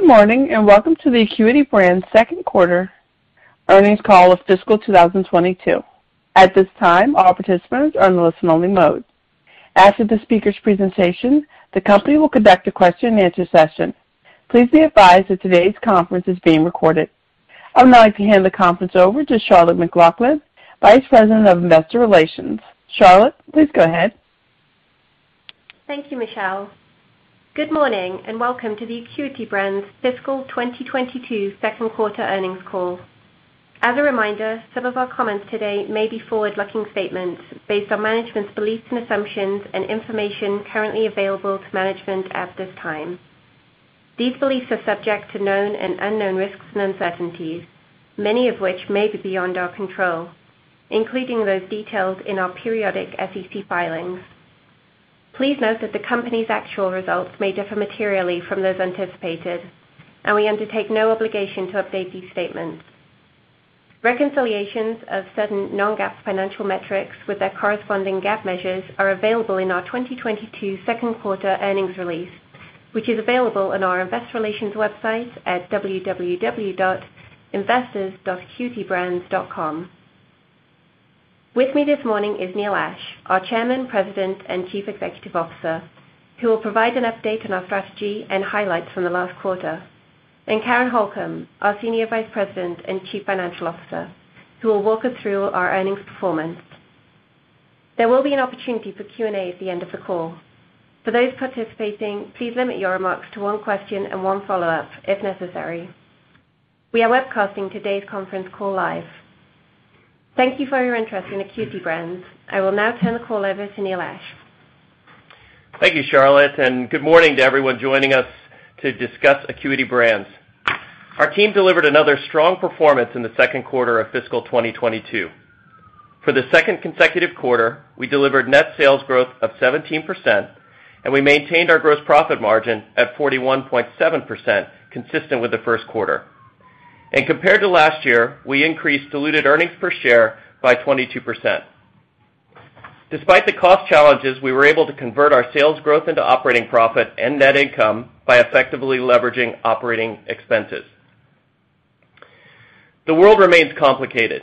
Good morning, and welcome to the Acuity Brands second quarter earnings call of fiscal 2022. At this time, all participants are in listen-only mode. After the speakers' presentation, the company will conduct a question-and-answer session. Please be advised that today's conference is being recorded. I would now like to hand the conference over to Charlotte McLaughlin, Vice President of Investor Relations. Charlotte, please go ahead. Thank you, Michelle. Good morning, and welcome to the Acuity Brands fiscal 2022 second quarter earnings call. As a reminder, some of our comments today may be forward-looking statements based on management's beliefs and assumptions and information currently available to management at this time. These beliefs are subject to known and unknown risks and uncertainties, many of which may be beyond our control, including those detailed in our periodic SEC filings. Please note that the company's actual results may differ materially from those anticipated, and we undertake no obligation to update these statements. Reconciliations of certain non-GAAP financial metrics with their corresponding GAAP measures are available in our 2022 second quarter earnings release, which is available on our investor relations website at www.investors.acuitybrands.com. With me this morning is Neil Ashe, our Chairman, President, and Chief Executive Officer, who will provide an update on our strategy and highlights from the last quarter, and Karen Holcom, our Senior Vice President and Chief Financial Officer, who will walk us through our earnings performance. There will be an opportunity for Q&A at the end of the call. For those participating, please limit your remarks to one question and one follow-up if necessary. We are webcasting today's conference call live. Thank you for your interest in Acuity Brands. I will now turn the call over to Neil Ashe. Thank you, Charlotte, and good morning to everyone joining us to discuss Acuity Brands. Our team delivered another strong performance in the second quarter of fiscal 2022. For the second consecutive quarter, we delivered net sales growth of 17% and we maintained our gross profit margin at 41.7%, consistent with the first quarter. Compared to last year, we increased diluted earnings per share by 22%. Despite the cost challenges, we were able to convert our sales growth into operating profit and net income by effectively leveraging operating expenses. The world remains complicated.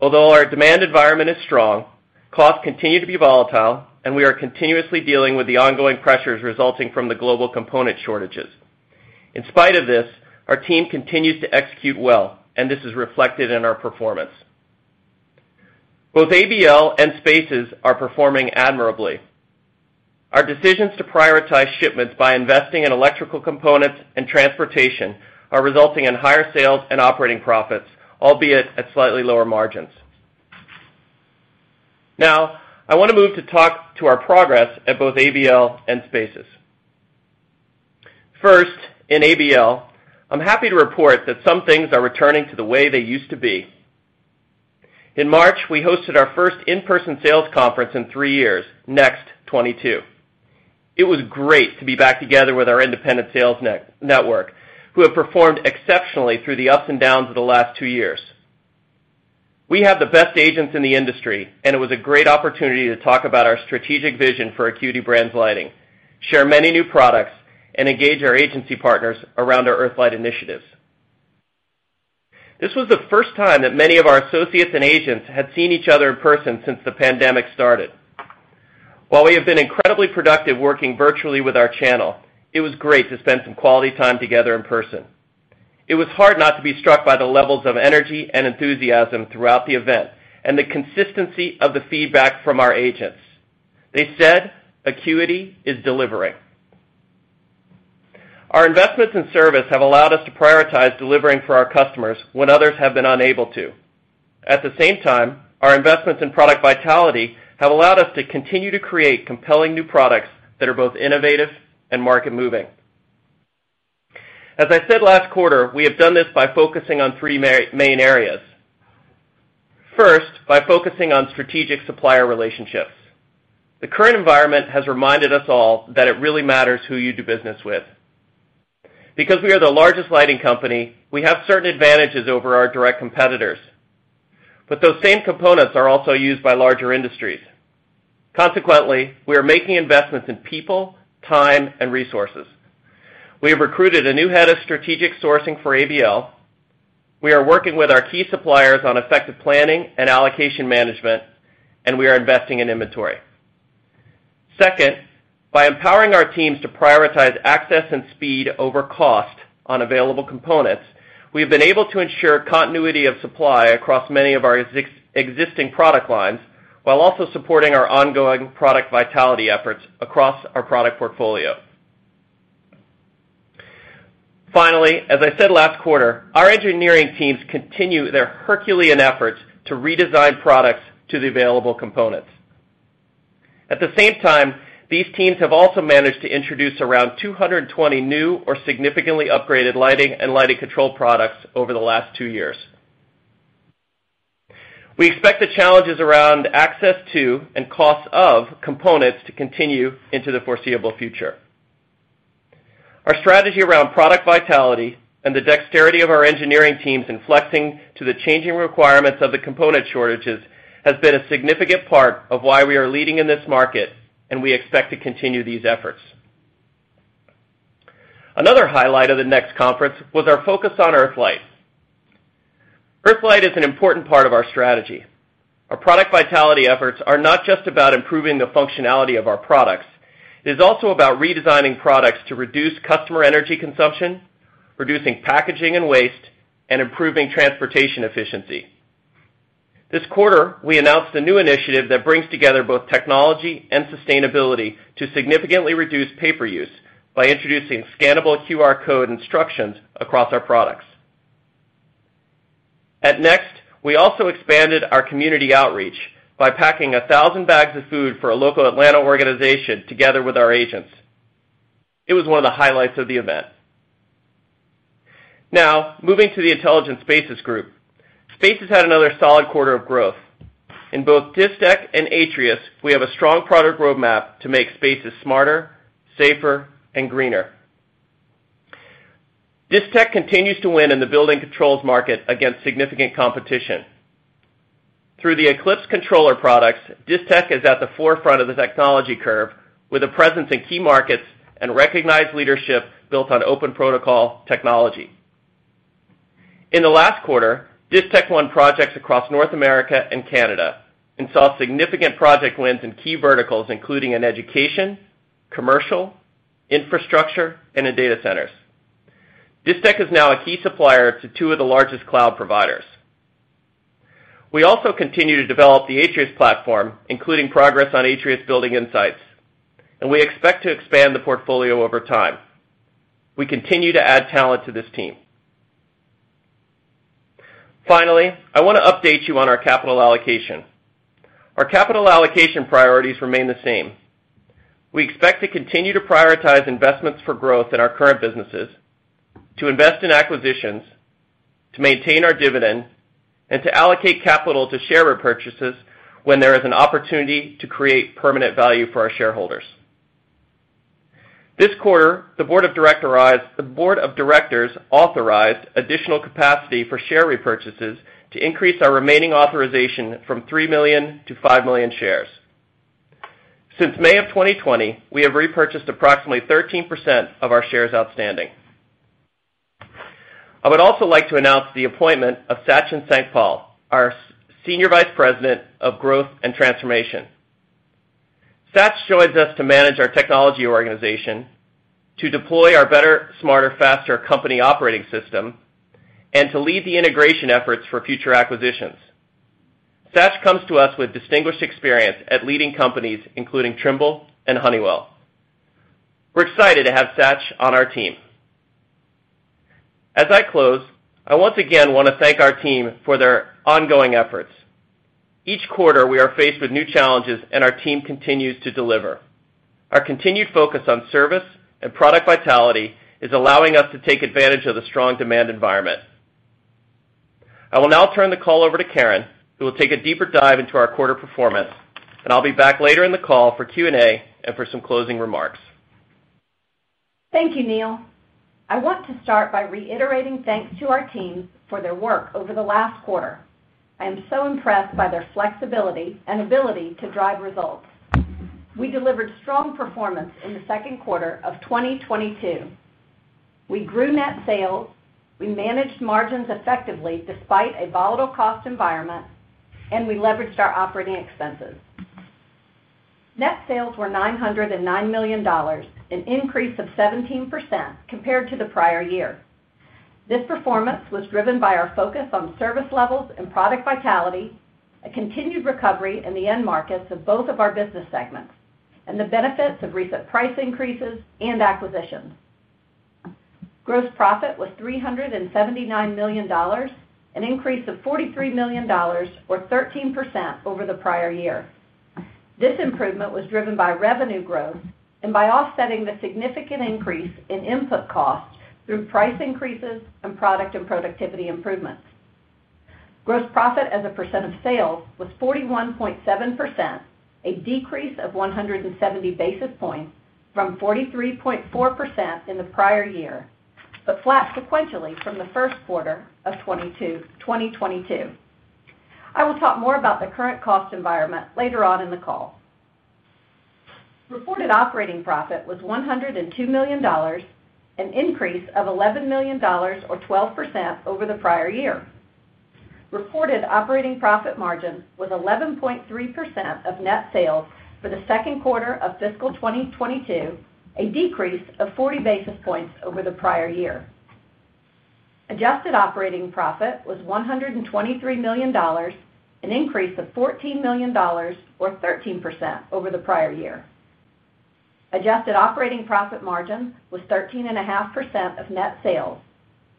Although our demand environment is strong, costs continue to be volatile, and we are continuously dealing with the ongoing pressures resulting from the global component shortages. In spite of this, our team continues to execute well, and this is reflected in our performance. Both ABL and Spaces are performing admirably. Our decisions to prioritize shipments by investing in electrical components and transportation are resulting in higher sales and operating profits, albeit at slightly lower margins. Now, I want to move to talk to our progress at both ABL and Spaces. First, in ABL, I'm happy to report that some things are returning to the way they used to be. In March, we hosted our first in-person sales conference in three years, NEXT '22. It was great to be back together with our independent sales network, who have performed exceptionally through the ups and downs of the last two years. We have the best agents in the industry, and it was a great opportunity to talk about our strategic vision for Acuity Brands Lighting, share many new products, and engage our agency partners around our EarthLIGHT initiatives. This was the first time that many of our associates and agents had seen each other in person since the pandemic started. While we have been incredibly productive working virtually with our channel, it was great to spend some quality time together in person. It was hard not to be struck by the levels of energy and enthusiasm throughout the event and the consistency of the feedback from our agents. They said Acuity is delivering. Our investments in service have allowed us to prioritize delivering for our customers when others have been unable to. At the same time, our investments in product vitality have allowed us to continue to create compelling new products that are both innovative and market-moving. As I said last quarter, we have done this by focusing on three main areas. First, by focusing on strategic supplier relationships. The current environment has reminded us all that it really matters who you do business with. Because we are the largest lighting company, we have certain advantages over our direct competitors, but those same components are also used by larger industries. Consequently, we are making investments in people, time, and resources. We have recruited a new head of strategic sourcing for ABL. We are working with our key suppliers on effective planning and allocation management, and we are investing in inventory. Second, by empowering our teams to prioritize access and speed over cost on available components, we have been able to ensure continuity of supply across many of our existing product lines, while also supporting our ongoing product vitality efforts across our product portfolio. Finally, as I said last quarter, our engineering teams continue their Herculean efforts to redesign products to the available components. At the same time, these teams have also managed to introduce around 220 new or significantly upgraded lighting and lighting control products over the last 2 years. We expect the challenges around access to and cost of components to continue into the foreseeable future. Our strategy around product vitality and the dexterity of our engineering teams in flexing to the changing requirements of the component shortages has been a significant part of why we are leading in this market, and we expect to continue these efforts. Another highlight of the NEXT conference was our focus on EarthLIGHT. EarthLIGHT is an important part of our strategy. Our product vitality efforts are not just about improving the functionality of our products. It is also about redesigning products to reduce customer energy consumption, reducing packaging and waste, and improving transportation efficiency. This quarter, we announced a new initiative that brings together both technology and sustainability to significantly reduce paper use by introducing scannable QR code instructions across our products. At NEXT, we also expanded our community outreach by packing 1,000 bags of food for a local Atlanta organization together with our agents. It was one of the highlights of the event. Now moving to the Intelligent Spaces Group. Spaces had another solid quarter of growth. In both Distech and Atrius, we have a strong product roadmap to make spaces smarter, safer, and greener. Distech continues to win in the building controls market against significant competition. Through the ECLYPSE controller products, Distech is at the forefront of the technology curve with a presence in key markets and recognized leadership built on open protocol technology. In the last quarter, Distech won projects across North America and Canada and saw significant project wins in key verticals, including in education, commercial, infrastructure, and in data centers. Distech is now a key supplier to two of the largest cloud providers. We also continue to develop the Atrius platform, including progress on Atrius Building Insights, and we expect to expand the portfolio over time. We continue to add talent to this team. Finally, I wanna update you on our capital allocation. Our capital allocation priorities remain the same. We expect to continue to prioritize investments for growth in our current businesses, to invest in acquisitions, to maintain our dividend, and to allocate capital to share repurchases when there is an opportunity to create permanent value for our shareholders. This quarter, the board of directors authorized additional capacity for share repurchases to increase our remaining authorization from 3 million to 5 million shares. Since May of 2020, we have repurchased approximately 13% of our shares outstanding. I would also like to announce the appointment of Sach Sankpal, our Senior Vice President of Growth and Transformation. Sachin joins us to manage our technology organization, to deploy our better, smarter, faster company operating system, and to lead the integration efforts for future acquisitions. Sach comes to us with distinguished experience at leading companies, including Trimble and Honeywell. We're excited to have Sach on our team. As I close, I once again wanna thank our team for their ongoing efforts. Each quarter, we are faced with new challenges, and our team continues to deliver. Our continued focus on service and product vitality is allowing us to take advantage of the strong demand environment. I will now turn the call over to Karen, who will take a deeper dive into our quarter performance, and I'll be back later in the call for Q&A and for some closing remarks. Thank you, Neil. I want to start by reiterating thanks to our teams for their work over the last quarter. I am so impressed by their flexibility and ability to drive results. We delivered strong performance in the second quarter of 2022. We grew net sales, we managed margins effectively despite a volatile cost environment, and we leveraged our operating expenses. Net sales were $909 million, an increase of 17% compared to the prior year. This performance was driven by our focus on service levels and product vitality, a continued recovery in the end markets of both of our business segments, and the benefits of recent price increases and acquisitions. Gross profit was $379 million, an increase of $43 million or 13% over the prior year. This improvement was driven by revenue growth and by offsetting the significant increase in input costs through price increases and product and productivity improvements. Gross profit as a percent of sales was 41.7%, a decrease of 170 basis points from 43.4% in the prior year, but flat sequentially from the first quarter of 2022. I will talk more about the current cost environment later on in the call. Reported operating profit was $102 million, an increase of $11 million or 12% over the prior year. Reported operating profit margin was 11.3% of net sales for the second quarter of fiscal 2022, a decrease of 40 basis points over the prior year. Adjusted operating profit was $123 million, an increase of $14 million or 13% over the prior year. Adjusted operating profit margin was 13.5% of net sales,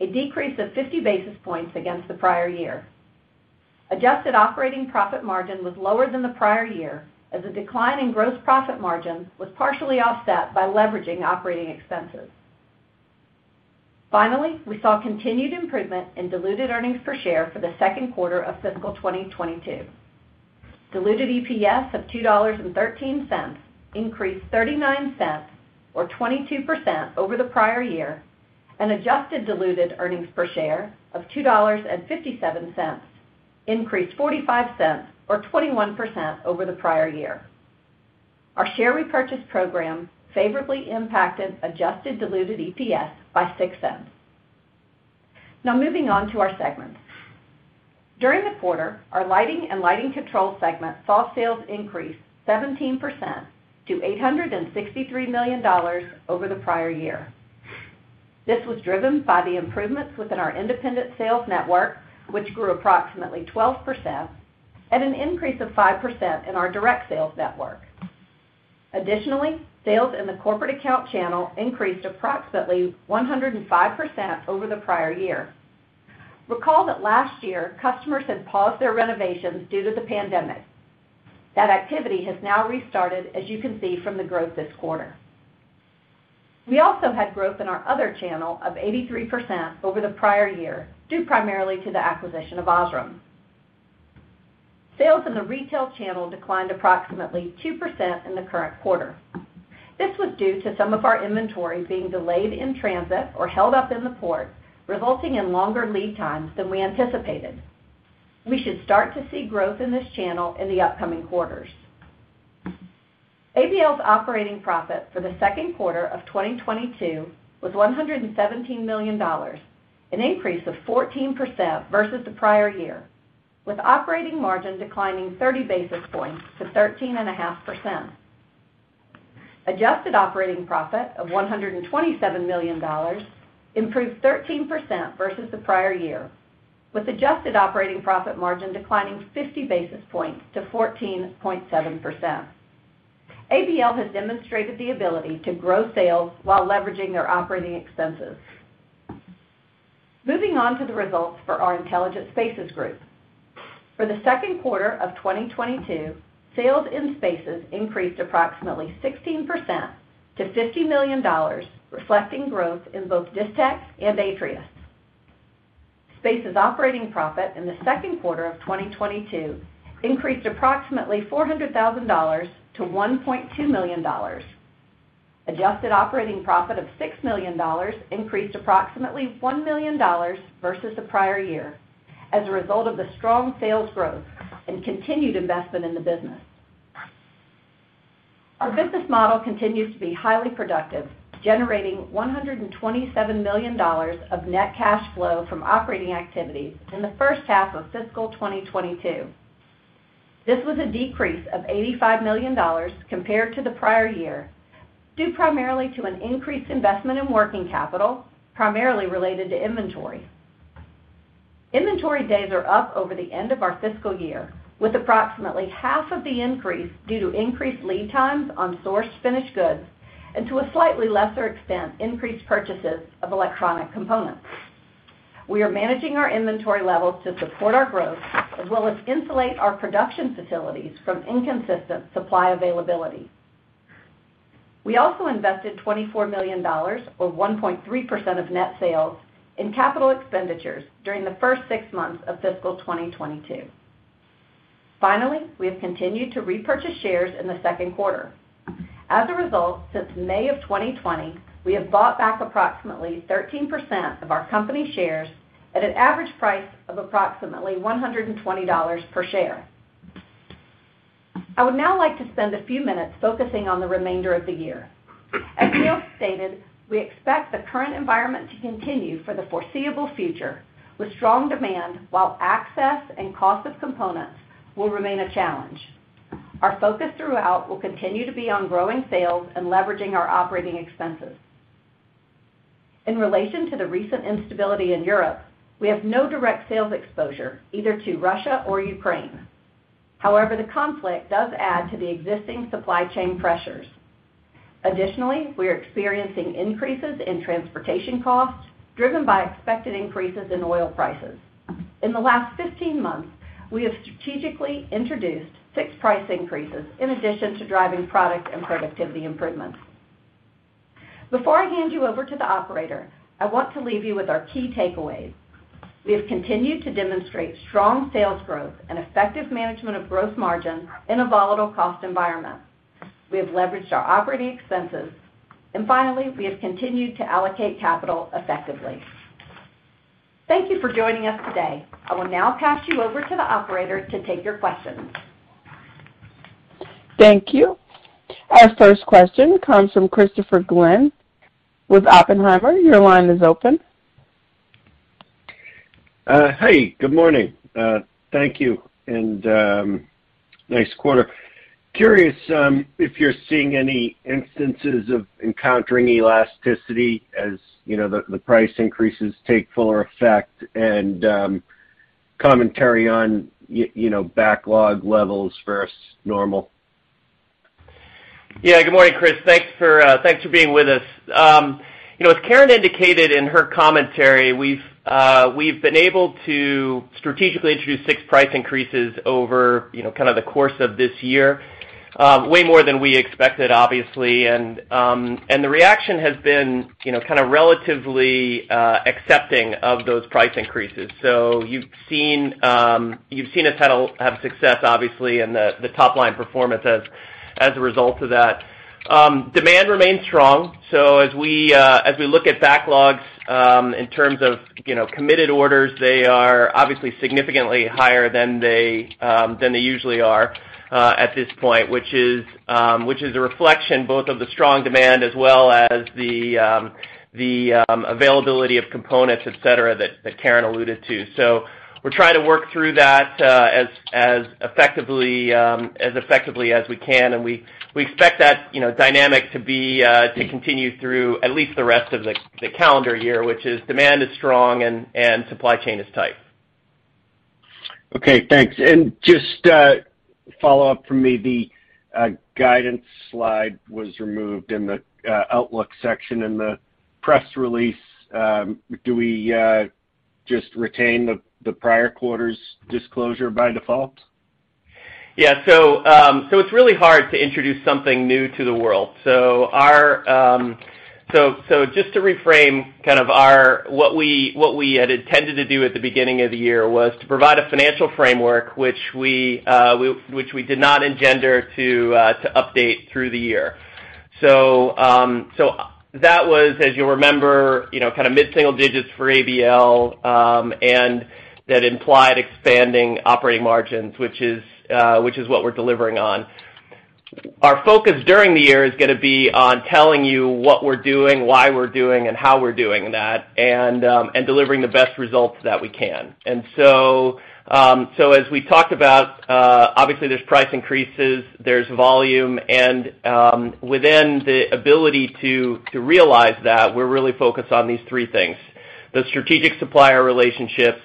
a decrease of 50 basis points against the prior year. Adjusted operating profit margin was lower than the prior year as a decline in gross profit margin was partially offset by leveraging operating expenses. Finally, we saw continued improvement in diluted earnings per share for the second quarter of fiscal 2022. Diluted EPS of $2.13 increased 39 cents or 22% over the prior year, and adjusted diluted earnings per share of $2.57 increased 45 cents or 21% over the prior year. Our share repurchase program favorably impacted adjusted diluted EPS by 6 cents. Now moving on to our segments. During the quarter, our lighting and lighting control segment saw sales increase 17% to $863 million over the prior year. This was driven by the improvements within our independent sales network, which grew approximately 12%, and an increase of 5% in our direct sales network. Additionally, sales in the corporate account channel increased approximately 105% over the prior year. Recall that last year, customers had paused their renovations due to the pandemic. That activity has now restarted, as you can see from the growth this quarter. We also had growth in our other channel of 83% over the prior year, due primarily to the acquisition of ams OSRAM. Sales in the retail channel declined approximately 2% in the current quarter. This was due to some of our inventory being delayed in transit or held up in the port, resulting in longer lead times than we anticipated. We should start to see growth in this channel in the upcoming quarters. ABL's operating profit for the second quarter of 2022 was $117 million, an increase of 14% versus the prior year, with operating margin declining 30 basis points to 13.5%. Adjusted operating profit of $127 million improved 13% versus the prior year, with adjusted operating profit margin declining 50 basis points to 14.7%. ABL has demonstrated the ability to grow sales while leveraging their operating expenses. Moving on to the results for our Intelligent Spaces Group. For the second quarter of 2022, sales in Spaces increased approximately 16% to $50 million, reflecting growth in both Distech and Atrius. Spaces operating profit in the second quarter of 2022 increased approximately $400,000-$1.2 million. Adjusted operating profit of $6 million increased approximately $1 million versus the prior year as a result of the strong sales growth and continued investment in the business. Our business model continues to be highly productive, generating $127 million of net cash flow from operating activities in the first half of fiscal 2022. This was a decrease of $85 million compared to the prior year, due primarily to an increased investment in working capital, primarily related to inventory. Inventory days are up over the end of our fiscal year, with approximately half of the increase due to increased lead times on sourced finished goods and to a slightly lesser extent, increased purchases of electronic components. We are managing our inventory levels to support our growth as well as insulate our production facilities from inconsistent supply availability. We also invested $24 million or 1.3% of net sales in capital expenditures during the first six months of fiscal 2022. Finally, we have continued to repurchase shares in the second quarter. As a result, since May 2020, we have bought back approximately 13% of our company shares at an average price of approximately $120 per share. I would now like to spend a few minutes focusing on the remainder of the year. As Neil stated, we expect the current environment to continue for the foreseeable future with strong demand while access and cost of components will remain a challenge. Our focus throughout will continue to be on growing sales and leveraging our operating expenses. In relation to the recent instability in Europe, we have no direct sales exposure either to Russia or Ukraine. However, the conflict does add to the existing supply chain pressures. Additionally, we are experiencing increases in transportation costs driven by expected increases in oil prices. In the last 15 months, we have strategically introduced 6 price increases in addition to driving product and productivity improvements. Before I hand you over to the operator, I want to leave you with our key takeaways. We have continued to demonstrate strong sales growth and effective management of gross margin in a volatile cost environment. We have leveraged our operating expenses. Finally, we have continued to allocate capital effectively. Thank you for joining us today. I will now pass you over to the operator to take your questions. Thank you. Our first question comes from Christopher Glynn with Oppenheimer. Your line is open. Hey, good morning. Thank you, and nice quarter. Curious if you're seeing any instances of encountering elasticity as you know, the price increases take fuller effect and commentary on you know, backlog levels versus normal. Yeah. Good morning, Chris. Thanks for being with us. You know, as Karen indicated in her commentary, we've been able to strategically introduce six price increases over, you know, kind of the course of this year, way more than we expected, obviously. The reaction has been, you know, kind of relatively accepting of those price increases. You've seen us have success, obviously, in the top line performance as a result of that. Demand remains strong. As we look at backlogs in terms of you know committed orders, they are obviously significantly higher than they usually are at this point, which is a reflection both of the strong demand as well as the availability of components, et cetera, that Karen alluded to. We're trying to work through that as effectively as we can. We expect that you know dynamic to continue through at least the rest of the calendar year, which is demand is strong and supply chain is tight. Okay, thanks. Just a follow-up from me, the guidance slide was removed in the outlook section in the press release. Do we just retain the prior quarter's disclosure by default? Yeah. It's really hard to introduce something new to the world. Just to reframe kind of our what we had intended to do at the beginning of the year was to provide a financial framework which we did not intend to update through the year. That was, as you'll remember, you know, kind of mid-single digits for ABL, and that implied expanding operating margins, which is what we're delivering on. Our focus during the year is gonna be on telling you what we're doing, why we're doing, and how we're doing that, and delivering the best results that we can. As we talked about, obviously there's price increases, there's volume, and within the ability to realize that, we're really focused on these three things, the strategic supplier relationships,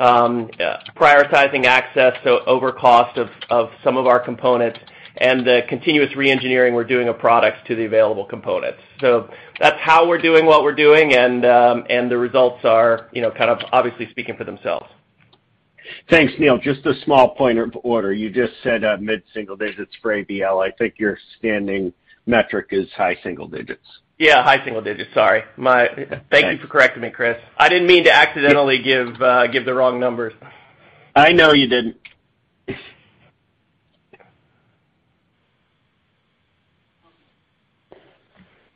prioritizing access over cost of some of our components, and the continuous reengineering we're doing of products to the available components. That's how we're doing what we're doing, and the results are, you know, kind of obviously speaking for themselves. Thanks, Neil. Just a small point of order. You just said mid-single digits for ABL. I think your standing metric is high single digits. Yeah, high single digits. Sorry. My- Thanks. Thank you for correcting me, Chris. I didn't mean to accidentally give the wrong numbers. I know you didn't.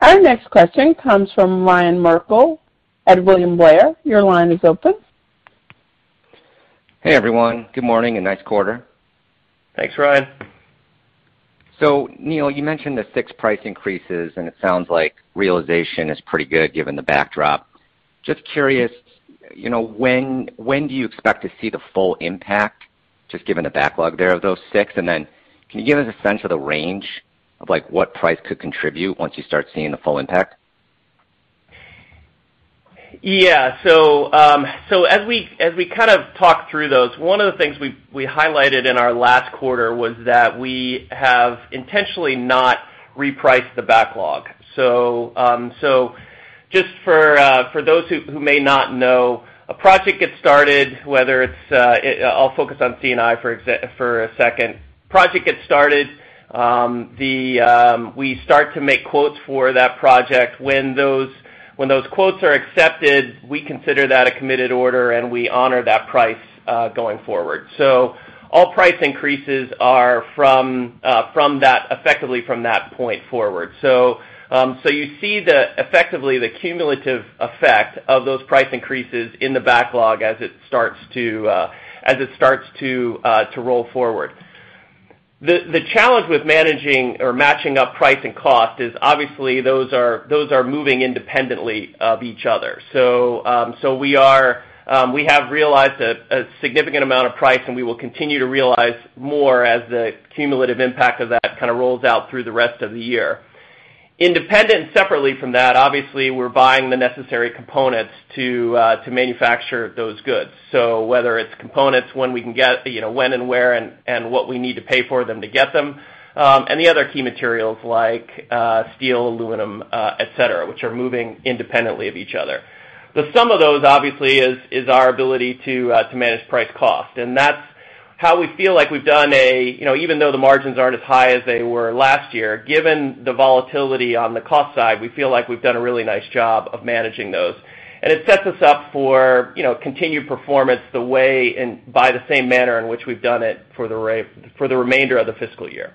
Our next question comes from Ryan Merkel at William Blair. Your line is open. Hey, everyone. Good morning and nice quarter. Thanks, Ryan. Neil, you mentioned the six price increases, and it sounds like realization is pretty good given the backdrop. Just curious, you know, when do you expect to see the full impact, just given the backlog there of those six? And then can you give us a sense of the range of, like, what price could contribute once you start seeing the full impact? As we kind of talked through those, one of the things we highlighted in our last quarter was that we have intentionally not repriced the backlog. Just for those who may not know, a project gets started. I'll focus on C&I for a second. We start to make quotes for that project. When those quotes are accepted, we consider that a committed order, and we honor that price going forward. All price increases are from that, effectively from that point forward. You see effectively the cumulative effect of those price increases in the backlog as it starts to roll forward. The challenge with managing or matching up price and cost is obviously those are moving independently of each other. We have realized a significant amount of price, and we will continue to realize more as the cumulative impact of that kind of rolls out through the rest of the year. Independent and separately from that, obviously we're buying the necessary components to manufacture those goods. Whether it's components, when we can get, you know, when and where and what we need to pay for them to get them, and the other key materials like steel, aluminum, et cetera, which are moving independently of each other. The sum of those obviously is our ability to manage price cost. That's how we feel like we've done a. You know, even though the margins aren't as high as they were last year, given the volatility on the cost side, we feel like we've done a really nice job of managing those. It sets us up for, you know, continued performance the way and by the same manner in which we've done it for the remainder of the fiscal year.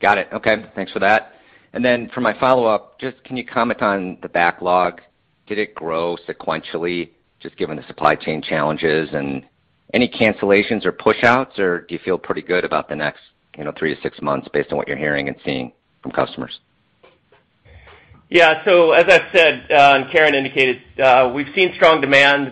Got it. Okay. Thanks for that. For my follow-up, just can you comment on the backlog? Did it grow sequentially just given the supply chain challenges and any cancellations or push outs, or do you feel pretty good about the next, you know, 3 to 6 months based on what you're hearing and seeing from customers? Yeah. As I said, and Karen indicated, we've seen strong demand.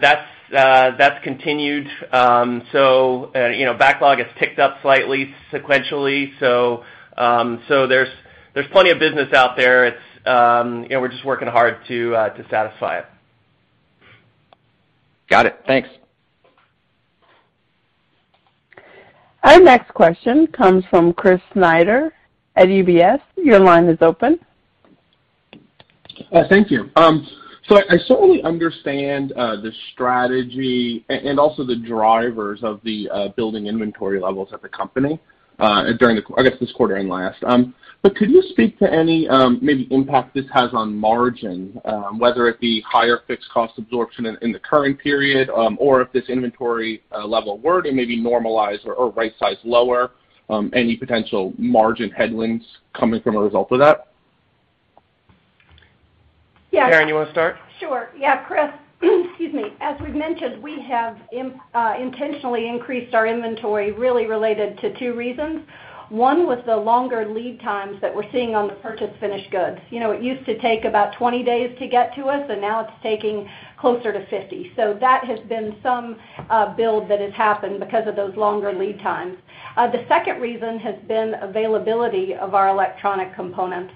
That's continued. You know, backlog has ticked up slightly sequentially. There's plenty of business out there. It's, you know, we're just working hard to satisfy it. Got it. Thanks. Our next question comes from Chris Snyder at UBS. Your line is open. Thank you. So I certainly understand the strategy and also the drivers of the building inventory levels at the company during this quarter and last. But could you speak to any maybe impact this has on margin, whether it be higher fixed cost absorption in the current period, or if this inventory level were to maybe normalize or right size lower, any potential margin headwinds coming from a result of that? Karen, you want to start? Sure. Yeah, Chris, excuse me. As we've mentioned, we have intentionally increased our inventory, really related to two reasons. One was the longer lead times that we're seeing on the purchased finished goods. You know, it used to take about 20 days to get to us, and now it's taking closer to 50. That has been some build that has happened because of those longer lead times. The second reason has been availability of our electronic components.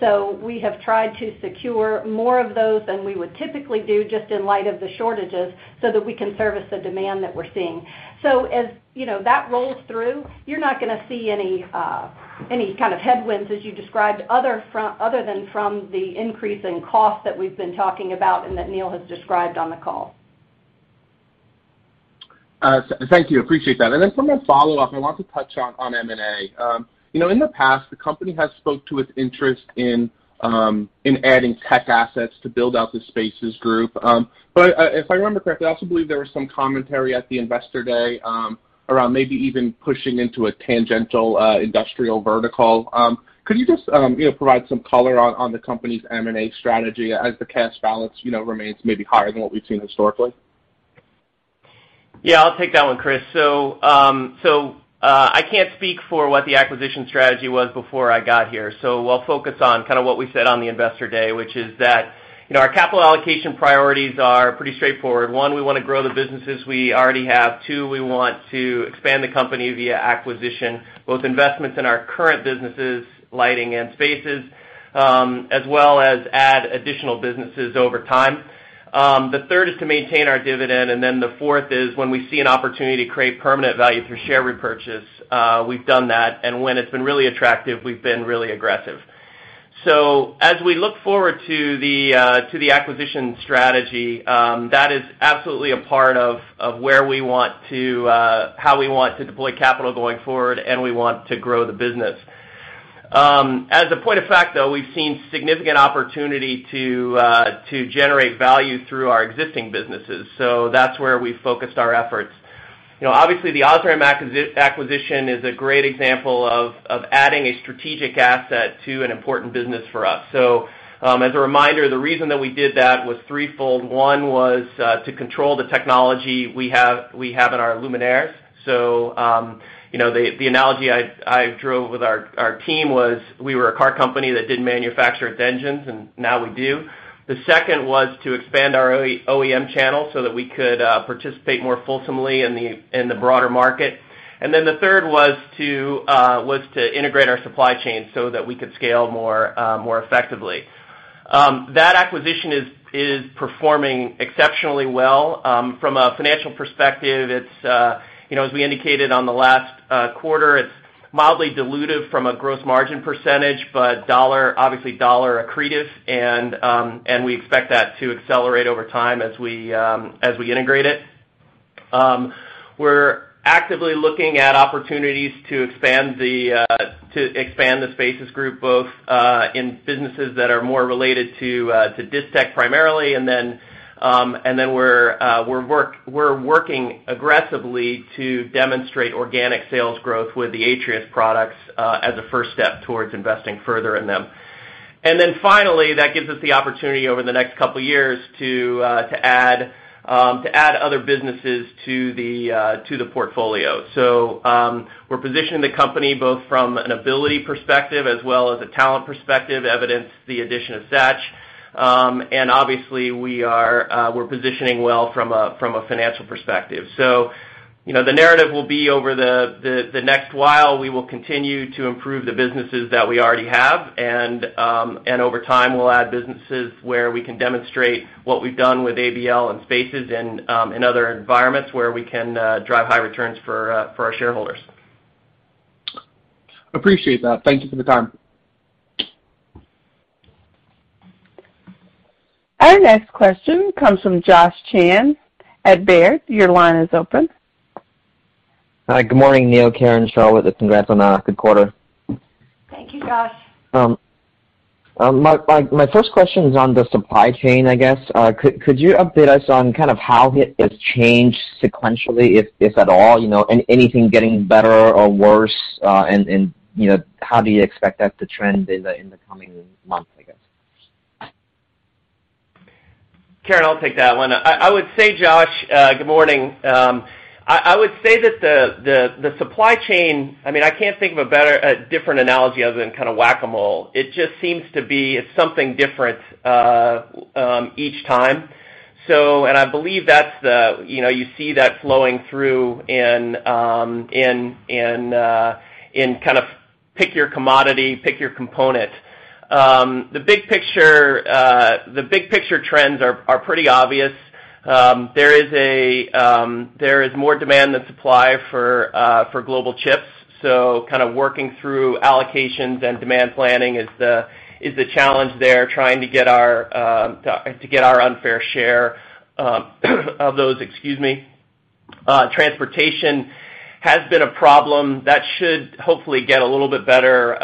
We have tried to secure more of those than we would typically do just in light of the shortages so that we can service the demand that we're seeing. As you know, that rolls through, you're not gonna see any kind of headwinds as you described other than from the increase in costs that we've been talking about and that Neil has described on the call. Thank you. Appreciate that. From that follow-up, I want to touch on M&A. You know, in the past, the company has spoke to its interest in adding tech assets to build out the Spaces group. If I remember correctly, I also believe there was some commentary at the Investor Day around maybe even pushing into a tangential industrial vertical. Could you just you know, provide some color on the company's M&A strategy as the cash balance you know, remains maybe higher than what we've seen historically? Yeah, I'll take that one, Chris. I can't speak for what the acquisition strategy was before I got here, so I'll focus on kind of what we said on the Investor Day, which is that, you know, our capital allocation priorities are pretty straightforward. One, we wanna grow the businesses we already have. Two, we want to expand the company via acquisition, both investments in our current businesses, lighting and spaces, as well as add additional businesses over time. The third is to maintain our dividend, and then the fourth is when we see an opportunity to create permanent value through share repurchase, we've done that, and when it's been really attractive, we've been really aggressive. As we look forward to the acquisition strategy, that is absolutely a part of how we want to deploy capital going forward, and we want to grow the business. As a point of fact, though, we've seen significant opportunity to generate value through our existing businesses, so that's where we focused our efforts. You know, obviously, the ams OSRAM acquisition is a great example of adding a strategic asset to an important business for us. As a reminder, the reason that we did that was threefold. One was to control the technology we have in our luminaires. You know, the analogy I drove with our team was we were a car company that didn't manufacture its engines, and now we do. The second was to expand our OE-OEM channel so that we could participate more fulsomely in the broader market. The third was to integrate our supply chain so that we could scale more effectively. That acquisition is performing exceptionally well. From a financial perspective, it's you know, as we indicated on the last quarter, it's mildly dilutive from a gross margin percentage, but dollar obviously dollar accretive, and we expect that to accelerate over time as we integrate it. We're actively looking at opportunities to expand the Intelligent Spaces Group, both in businesses that are more related to Distech primarily, and then we're working aggressively to demonstrate organic sales growth with the Atrius products as a first step towards investing further in them. Then finally, that gives us the opportunity over the next couple years to add other businesses to the portfolio. We're positioning the company both from an ability perspective as well as a talent perspective, evidence the addition of Sach. Obviously we are positioning well from a financial perspective. You know, the narrative will be over the next while we will continue to improve the businesses that we already have, and over time, we'll add businesses where we can demonstrate what we've done with ABL and Spaces and in other environments where we can drive high returns for our shareholders. Appreciate that. Thank you for the time. Our next question comes from Josh Chan at Baird. Your line is open. Hi, good morning, Neil, Karen, Charlotte. Congrats on a good quarter. Thank you, Josh. My first question is on the supply chain, I guess. Could you update us on kind of how it has changed sequentially, if at all, you know, anything getting better or worse, and you know, how do you expect that to trend in the coming months, I guess? Karen, I'll take that one. I would say, Josh, good morning. I would say that the supply chain, I mean, I can't think of a better, a different analogy other than kind of whack-a-mole. It just seems to be it's something different each time. I believe that's the, you know, you see that flowing through in kind of pick your commodity, pick your component. The big picture trends are pretty obvious. There is more demand than supply for global chips, so kind of working through allocations and demand planning is the challenge there, trying to get our unfair share of those. Excuse me. Transportation has been a problem. That should hopefully get a little bit better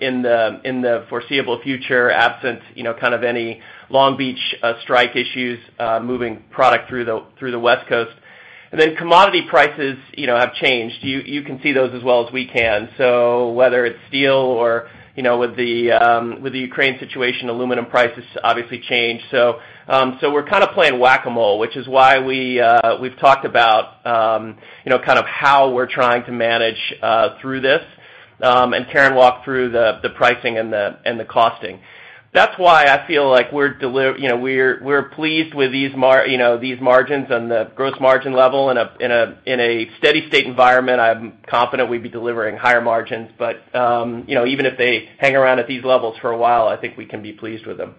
in the foreseeable future, absent you know kind of any Long Beach strike issues moving product through the West Coast. Commodity prices, you know, have changed. You can see those as well as we can. Whether it's steel or you know with the Ukraine situation, aluminum prices obviously changed. We're kinda playing Whac-A-Mole, which is why we've talked about you know kind of how we're trying to manage through this, and Karen walked through the pricing and the costing. That's why I feel like we're you know pleased with these you know margins on the gross margin level. In a steady state environment, I'm confident we'd be delivering higher margins. You know, even if they hang around at these levels for a while, I think we can be pleased with them.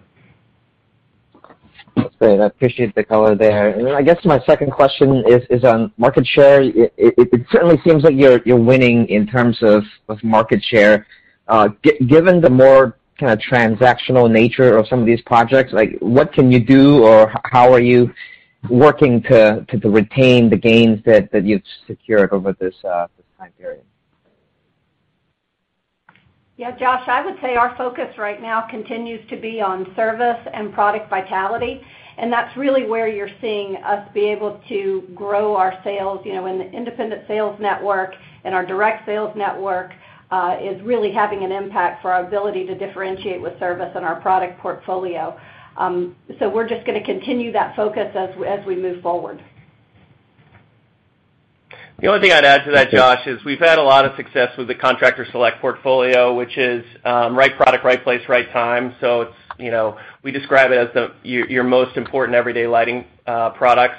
Okay. I appreciate the color there. Then I guess my second question is on market share. It certainly seems like you're winning in terms of market share. Given the more kinda transactional nature of some of these projects, like, what can you do or how are you working to retain the gains that you've secured over this time period? Yeah, Josh, I would say our focus right now continues to be on service and product vitality, and that's really where you're seeing us be able to grow our sales, you know, and the independent sales network, and our direct sales network is really having an impact for our ability to differentiate with service and our product portfolio. We're just gonna continue that focus as we move forward. The only thing I'd add to that, Josh, is we've had a lot of success with the Contractor Select portfolio, which is right product, right place, right time. It's, you know, we describe it as your most important everyday lighting products.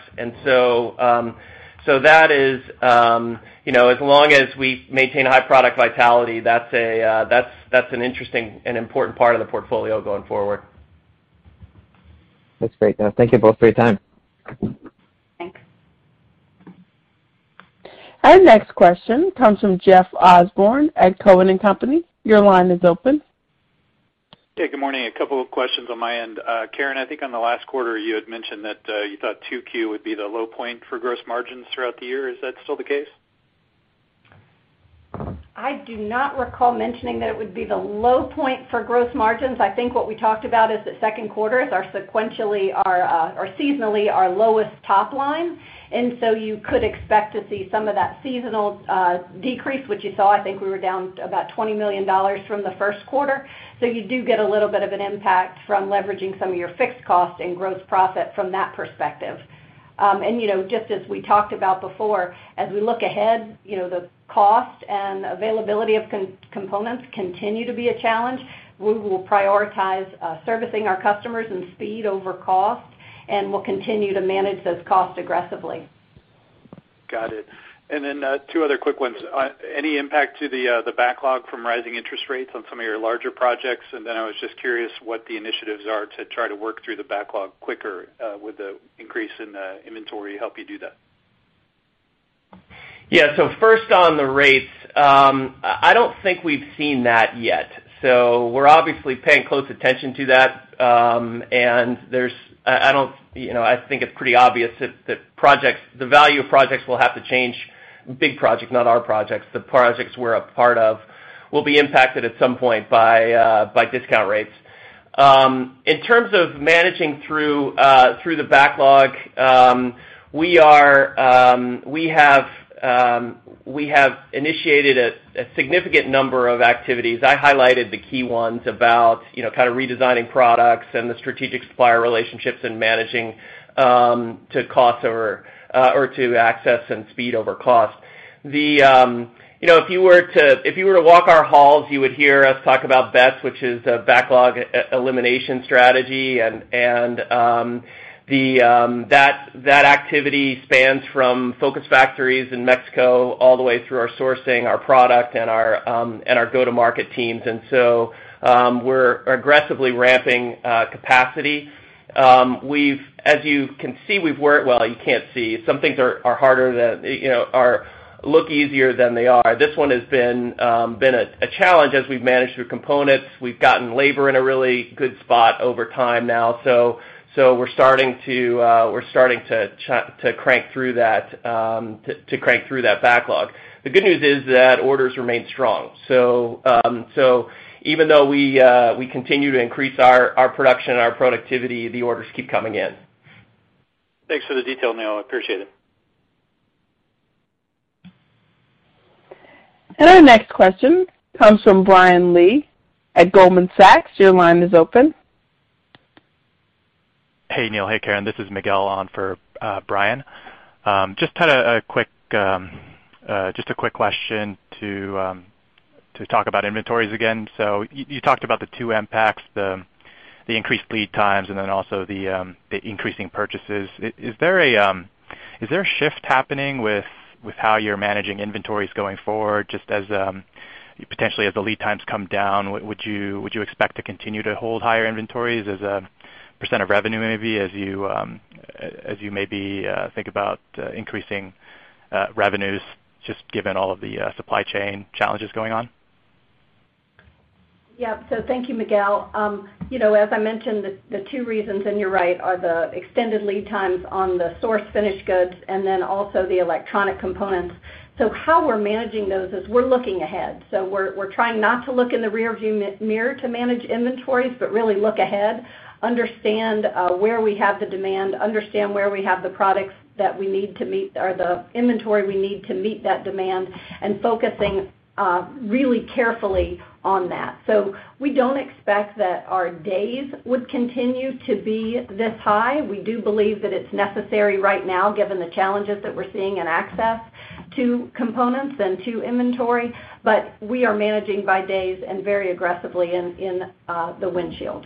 That is, you know, as long as we maintain a high product vitality, that's an interesting and important part of the portfolio going forward. That's great. Thank you both for your time. Thanks. Our next question comes from Jeff Osborne at Cowen and Company. Your line is open. Hey, good morning. A couple of questions on my end. Karen, I think on the last quarter, you had mentioned that, you thought 2Q would be the low point for gross margins throughout the year. Is that still the case? I do not recall mentioning that it would be the low point for gross margins. I think what we talked about is that second quarters are sequentially our or seasonally our lowest top line, and you could expect to see some of that seasonal decrease, which you saw. I think we were down about $20 million from the first quarter. You do get a little bit of an impact from leveraging some of your fixed costs and gross profit from that perspective. You know, just as we talked about before, as we look ahead, you know, the cost and availability of components continue to be a challenge. We will prioritize servicing our customers and speed over cost, and we'll continue to manage those costs aggressively. Got it. Two other quick ones. Any impact to the backlog from rising interest rates on some of your larger projects? I was just curious what the initiatives are to try to work through the backlog quicker. Would the increase in the inventory help you do that? Yeah. First on the rates, I don't think we've seen that yet. We're obviously paying close attention to that. You know, I think it's pretty obvious that the value of projects will have to change. Big projects, not our projects. The projects we're a part of will be impacted at some point by discount rates. In terms of managing through the backlog, we have initiated a significant number of activities. I highlighted the key ones about, you know, kinda redesigning products and the strategic supplier relationships and managing to cost or to access and speed over cost. If you were to walk our halls, you would hear us talk about BES, which is a Backlog Elimination Strategy. That activity spans from focus factories in Mexico all the way through our sourcing, our product, and our go-to-market teams. We're aggressively ramping capacity. As you can see. Well, you can't see. Some things look easier than they are. This one has been a challenge as we've managed through components. We've gotten labor in a really good spot over time now, so we're starting to crank through that backlog. The good news is that orders remain strong. Even though we continue to increase our production and our productivity, the orders keep coming in. Thanks for the detail, Neil. Appreciate it. Our next question comes from Brian Lee at Goldman Sachs. Your line is open. Hey, Neil. Hey, Karen. This is Miguel on for Brian. Just a quick question to talk about inventories again. You talked about the two impacts, the increased lead times and then also the increasing purchases. Is there a shift happening with how you're managing inventories going forward, just as potentially as the lead times come down? Would you expect to continue to hold higher inventories as a percent of revenue maybe as you maybe think about increasing revenues just given all of the supply chain challenges going on? Yeah. Thank you, Miguel. You know, as I mentioned, the two reasons, and you're right, are the extended lead times on the source finished goods and then also the electronic components. How we're managing those is we're looking ahead. We're trying not to look in the rearview mirror to manage inventories, but really look ahead, understand where we have the demand, understand where we have the products that we need to meet or the inventory we need to meet that demand, and focusing really carefully on that. We don't expect that our days would continue to be this high. We do believe that it's necessary right now given the challenges that we're seeing in access to components and to inventory, but we are managing by days and very aggressively in the windshield.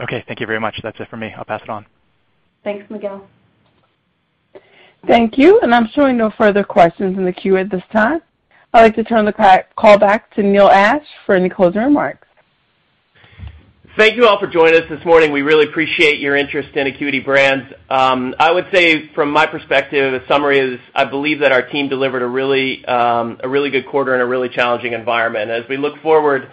Okay, thank you very much. That's it for me. I'll pass it on. Thanks, Miguel. Thank you. I'm showing no further questions in the queue at this time. I'd like to turn the call back to Neil Ashe for any closing remarks. Thank you all for joining us this morning. We really appreciate your interest in Acuity Brands. I would say from my perspective, the summary is, I believe that our team delivered a really good quarter in a really challenging environment. As we look forward,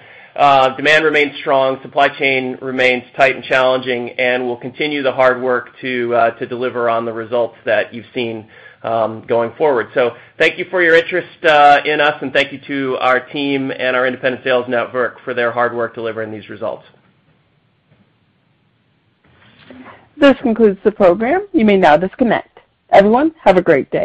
demand remains strong, supply chain remains tight and challenging, and we'll continue the hard work to deliver on the results that you've seen, going forward. Thank you for your interest in us, and thank you to our team and our independent sales network for their hard work delivering these results. This concludes the program. You may now disconnect. Everyone, have a great day.